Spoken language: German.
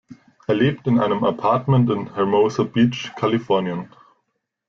Er lebt in einem Appartement in Hermosa Beach, Kalifornien.